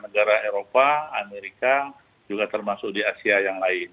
negara eropa amerika juga termasuk di asia yang lain